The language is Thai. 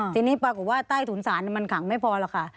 ทีนี้ปรากฏว่าใต้ถุนศาลมันขังไม่พอหรอกค่ะ